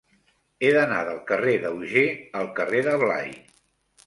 He d'anar del carrer d'Auger al carrer de Blai.